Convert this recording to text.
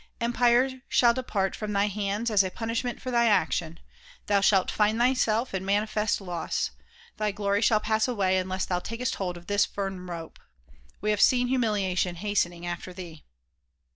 Empire shall depart from thy hands as a punishment for thy action. Thou shalt find thyself in manifest loss; thy glory shall pass away unless thou takest hold of this firm rope. We have seen humilia tion hastening after thee."